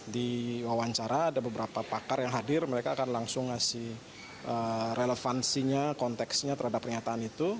di wawancara ada beberapa pakar yang hadir mereka akan langsung ngasih relevansinya konteksnya terhadap pernyataan itu